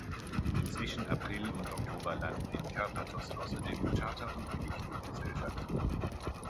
Zwischen April und Oktober landen in Karpathos außerdem Charter- und Billigfluggesellschaften.